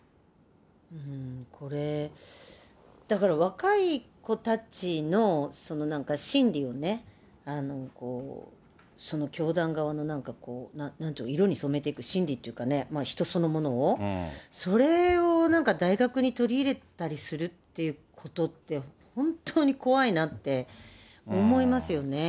うーん、これ、だから若い子たちの、なんか心理をね、教団側のなんかこう、なんていうの、色に染めていく、心理っていうか、人そのものを、それをなんか、大学に取り入れたりするっていうことって、本当に怖いなって思いますよね。